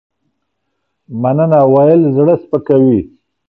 مننه ويل زړه سپکوي